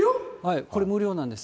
これ、無料なんです。